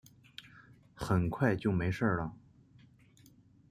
很快就没事了